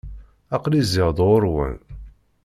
Aql-i zziɣ-d ɣur-wen.